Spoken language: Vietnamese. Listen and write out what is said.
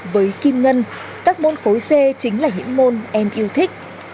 với kim ngân các môn khối c chính là những môn em yêu thích